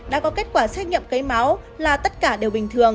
đã có kết quả xét nghiệm cấy máu là tất cả đều bình thường